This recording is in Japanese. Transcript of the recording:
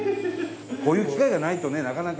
こういう機会がないとねなかなか。